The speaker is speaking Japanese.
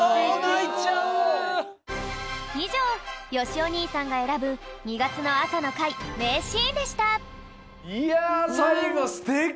いじょうよしお兄さんがえらぶ２がつの朝の会めいシーンでしたいやさいごすてき！